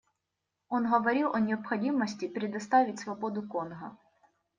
Он говорил о необходимости предоставить свободу Конго.